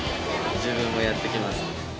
自分もやってきます。